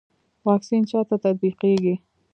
واکسین چا ته تطبیقیږي؟